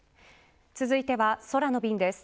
続いては、空の便です。